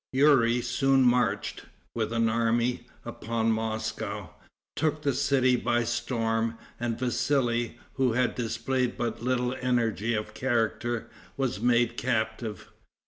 Youri soon marched, with an army, upon Moscow, took the city by storm, and Vassali, who had displayed but little energy of character, was made captive.